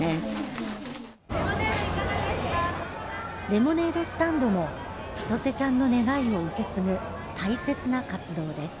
レモネードスタンドも千歳ちゃんの願いを受け継ぐ大切な活動です